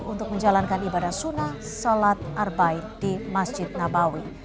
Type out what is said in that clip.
untuk menjalankan ibadah sunnah sholat arbaid di masjid nabawi